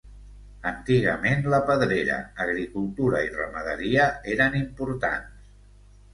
Antigament la pedrera, agricultura i ramaderia, eren importants.